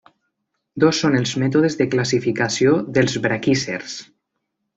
Dos són els mètodes de classificació dels braquícers.